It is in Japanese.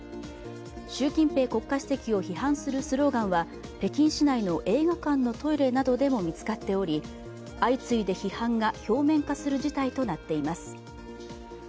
習近平国家主席を批判するスローガンは、北京市内の映画館のトイレなどでも見つかっており、相次いで批判が表面化する事態となっています。